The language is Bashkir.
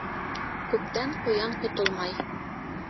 Күптән ҡуян ҡотолмай.